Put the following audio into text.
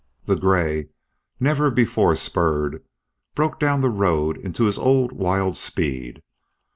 The gray, never before spurred, broke down the road into his old wild speed.